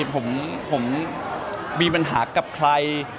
ผมมีปัญหากับใคร